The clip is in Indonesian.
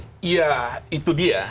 iya itu dia